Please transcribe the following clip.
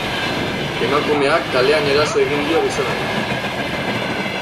Emakumeak kalean eraso egin dio gizonari.